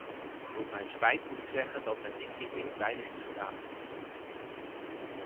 Tot mijn spijt, moet ik zeggen dat met die kritiek weinig is gedaan.